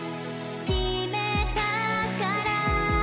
「決めたから」